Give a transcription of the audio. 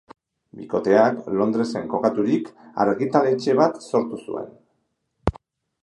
Bikoteak, Londresen kokaturik, argitaletxe bat sortu zuen.